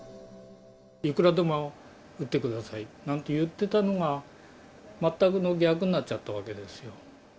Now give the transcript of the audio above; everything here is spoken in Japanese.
いくらでも打ってくださいなんて言ってたのが、全くの逆になっちゃったわけですよ。